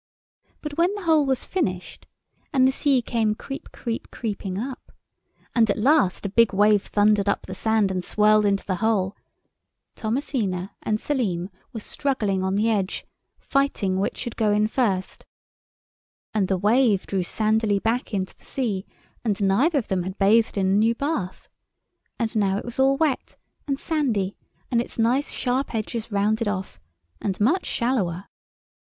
But when the hole was finished, and the sea came creep, creep, creeping up—and at last a big wave thundered up the sand and swirled into the hole, Thomasina and Selim were struggling on the edge, fighting which should go in first, and the wave drew sandily back into the sea, and neither of them had bathed in the new bath. And now it was all wet and sandy, and its nice sharp edges rounded off, and much shallower.